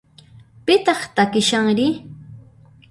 Pitaq takishanri?